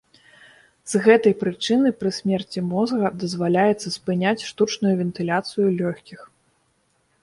З гэтай прычыны, пры смерці мозга дазваляецца спыняць штучную вентыляцыю лёгкіх.